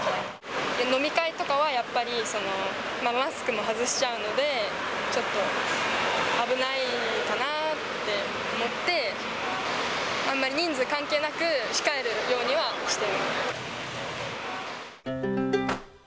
飲み会とかはやっぱり、マスクも外しちゃうので、ちょっと、危ないかなって思って、あんまり人数関係なく、控えるようにはしてます。